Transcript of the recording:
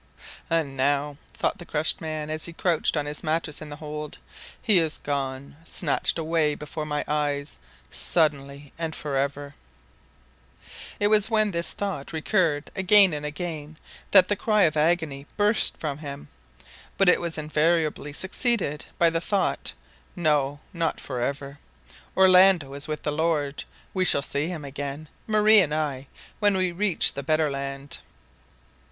"And now," thought the crushed man, as he crouched on his mattress in the hold, "he is gone, snatched away before my eyes, suddenly and for ever!" It was when this thought recurred, again and again, that the cry of agony burst from him, but it was invariably succeeded by the thought, "No, not for ever. Orlando is with the Lord. We shall see him again, Marie and I, when we reach the better land."